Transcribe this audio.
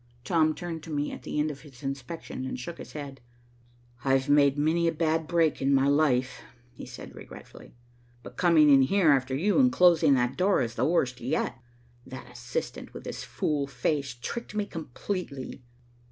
Tom turned to me at the end of his inspection and shook his head. "I've made many a bad break in my life," he said regretfully, "but coming in here after you and closing that door is the worst yet. That assistant, with his fool face, tricked me completely."